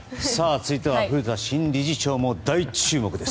続いては古田新理事長も大注目です。